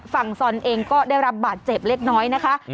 ซอนเองก็ได้รับบาดเจ็บเล็กน้อยนะคะ